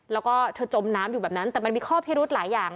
แล้วก็เธอจมน้ำอยู่แบบนั้นแต่มันมีข้อพิรุธหลายอย่าง